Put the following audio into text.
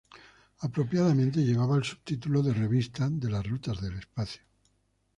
Apropiadamente, llevaba el subtítulo de Revista de las rutas del espacio.